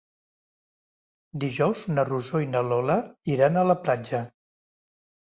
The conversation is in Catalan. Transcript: Dijous na Rosó i na Lola iran a la platja.